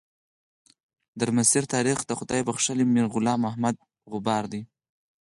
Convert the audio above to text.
درمسیر تاریخ د خدای بخښلي میر غلام محمد غبار دی.